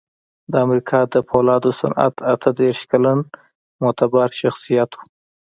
د امریکا د پولادو صنعت اته دېرش کلن معتبر شخصیت و